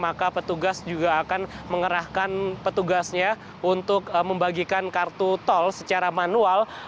maka petugas juga akan mengerahkan petugasnya untuk membagikan kartu tol secara manual